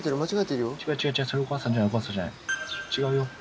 違うよ。